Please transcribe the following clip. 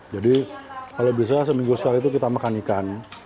jadi kalau bisa seminggu sekali itu kita makan ikan